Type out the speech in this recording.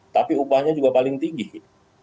tapi upahnya juga paling tinggi